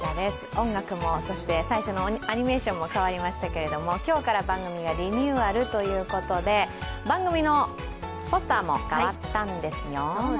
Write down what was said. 音楽も、そして最初のアニメーションも変わりましたけれども今日から番組がリニューアルということで、番組のポスターも変わったんですよ。